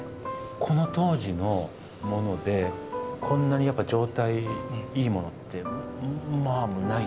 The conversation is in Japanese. この当時のものでこんなにやっぱ状態いいものってまあないですか？